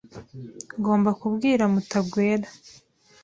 Ngomba kubwira Mutagwera.